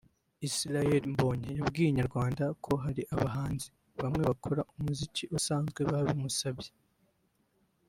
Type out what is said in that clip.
Israel Mbonyi yabwiye Inyarwanda ko hari abahanzi bamwe bakora umuziki usanzwe babimusabye